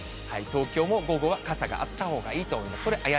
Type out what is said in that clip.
東京も午後は傘があったほうがいいと思います。